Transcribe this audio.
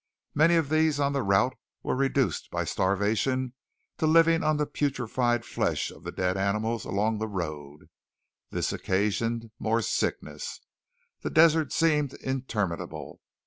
Many of these on the route were reduced by starvation to living on the putrefied flesh of the dead animals along the road. This occasioned more sickness. The desert seemed interminable.